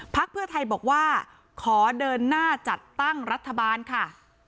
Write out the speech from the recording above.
เพื่อไทยบอกว่าขอเดินหน้าจัดตั้งรัฐบาลค่ะ